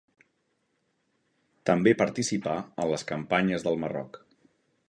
També participà en les campanyes del Marroc.